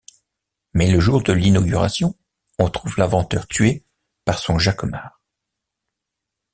Mais le jour de l'inauguration, on trouve l'inventeur tué par son jacquemart...